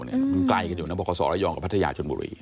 มันที่มันไกลกันอยู่นะโปรขาสรยองย์กับพละยชนบุริ